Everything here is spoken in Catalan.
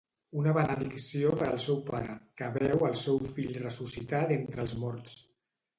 Una benedicció per al seu pare, que veu el seu fill ressuscitar d'entre els morts.